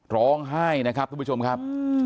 ร้องไห้นะครับทุกผู้ชมครับ